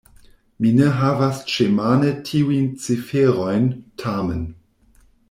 Mi ne havas ĉemane tiujn ciferojn, tamen.